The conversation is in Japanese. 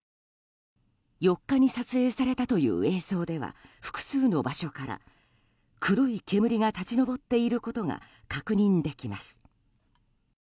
４日に撮影されたという映像では複数の場所から黒い煙が立ち上っていることが確認できます。